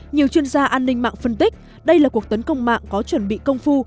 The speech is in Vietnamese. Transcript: nhiều chuyên gia an ninh mạng phân tích đây là cuộc tấn công mạng có chuẩn bị công phu